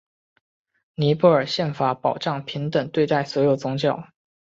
尼泊尔宪法保障平等对待所有宗教。